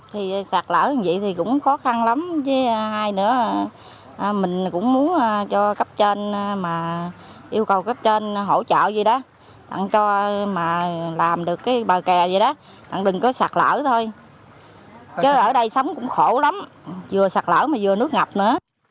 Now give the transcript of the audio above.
thì sạt lỡ như vậy thì cũng khó khăn lắm chứ ai nữa mình cũng muốn cho cấp trên mà yêu cầu cấp trên hỗ trợ gì đó tặng cho mà làm được cái bờ kè gì đó tặng đừng có sạt lỡ thôi chứ ở đây sống cũng khổ lắm vừa sạt lỡ mà vừa nước ngập nữa